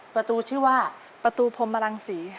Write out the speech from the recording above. ประตูชื่อว่าประตูพรหมรังศรี